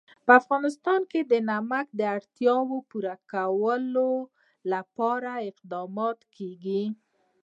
په افغانستان کې د نمک د اړتیاوو پوره کولو لپاره اقدامات کېږي.